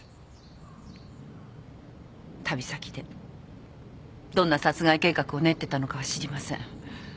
旅先でどんな殺害計画を練ってたのかは知りません。